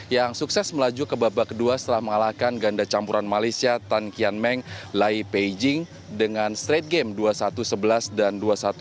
yang sukses melaju ke babak kedua setelah mengalahkan ganda campuran malaysia tan kian meng lai peijing dengan straight game dua puluh satu sebelas dan dua satu tiga belas